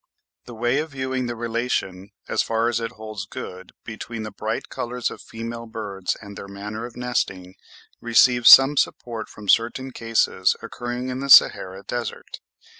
This way of viewing the relation, as far as it holds good, between the bright colours of female birds and their manner of nesting, receives some support from certain cases occurring in the Sahara Desert.